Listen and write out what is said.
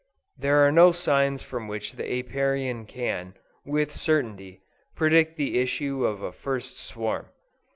There are no signs from which the Apiarian can, with certainty, predict the issue of a first swarm.